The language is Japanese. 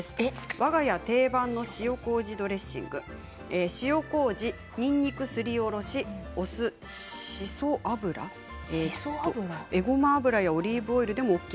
わが家定番の塩こうじドレッシング塩こうじ、にんにくすりおろしお酢、しそ油、えごま油やオリーブオイルでもＯＫ。